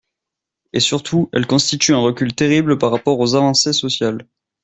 Et surtout, elle constitue un recul terrible par rapport aux avancées sociales.